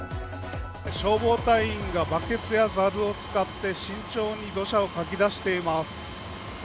消防隊員がバケツやざるを使って慎重に土砂をかき出しています。